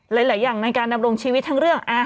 หลายอย่างในการดำรงชีวิตทั้งเรื่อง